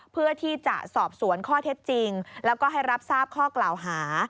เพื่อที่จะสอบสวนข้อเท็จจริงแล้วก็ให้รับทราบข้อกล่าวหา